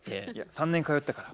３年通ったから。